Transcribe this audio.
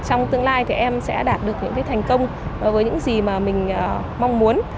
trong tương lai thì em sẽ đạt được những thành công với những gì mà mình mong muốn